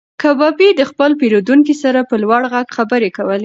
کبابي د خپل پیرودونکي سره په لوړ غږ خبرې کولې.